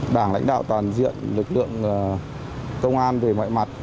đảng lãnh đạo toàn diện lực lượng công an về mọi mặt